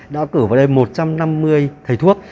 đã cử vào đây một trăm năm mươi thầy thuốc